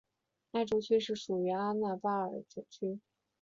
艾珠区是属于阿纳巴尔选区。